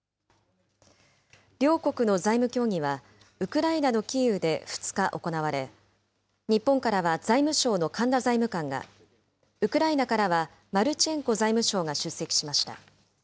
両国の財務協議は、ウクライナのキーウで２日行われ、日本からは財務省の神田財務官が、ウクライナからはマルチェンコ財務相が出席しました。